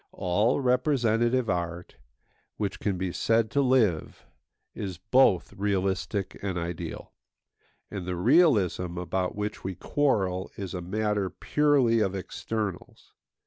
All representative art, which can be said to live, is both realistic and ideal; and the realism about which we quarrel is a matter purely of externals.